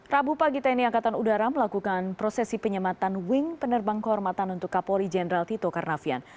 rabu pagi tni angkatan udara melakukan prosesi penyematan wing penerbang kehormatan untuk kapolri jenderal tito karnavian